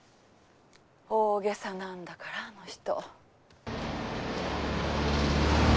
大げさなんだからあの人。